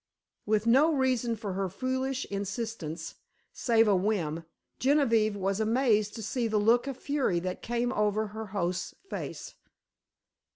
With no reason for her foolish insistence save a whim, Genevieve was amazed to see the look of fury that came over her host's face.